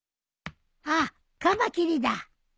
あっカマキリだ。